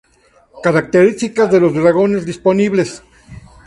Características de los Dragones disponibles.